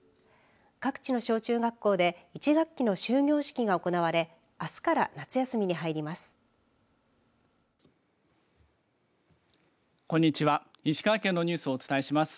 各地の小中学校で１学期の終業式が行われあすから夏休みに入ります。